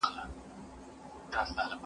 هر څوک حق لري چي زده کړه وکړي.